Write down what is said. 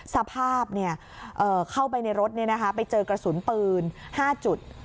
สภาพเนี่ยเข้าไปในรถเนี่ยนะคะไปเจอกระสุนปืน๕จุด